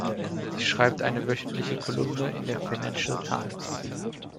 Sie schreibt eine wöchentliche Kolumne in der "Financial Times".